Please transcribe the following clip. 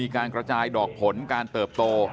การสอบส่วนแล้วนะ